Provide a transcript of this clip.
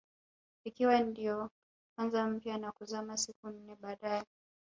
Ikiwa ndio kwanza mpya na kuzama siku nne baadae